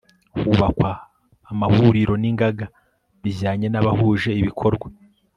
hubakwa amahuriro n'ingaga bijyanye n'abahuje ibikorwa